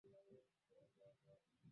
Ni wakati huo Rais Karume alipouawa ghafla